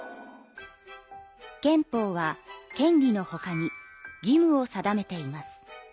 憲法は権利のほかに義務を定めています。